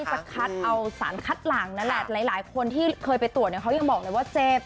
จะคัดเอาสารคัดหลังนั่นแหละหลายคนที่เคยไปตรวจเนี่ยเขายังบอกเลยว่าเจ็บ